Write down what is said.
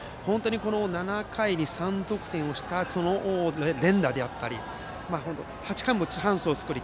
７回に３得点をした連打であったり８回もチャンスを作り